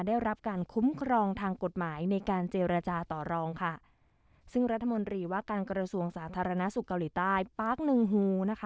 ได้รับการคุ้มครองทางกฎหมายในการเจรจาต่อรองค่ะซึ่งรัฐมนตรีว่าการกระทรวงสาธารณสุขเกาหลีใต้ปาร์คหนึ่งฮูนะคะ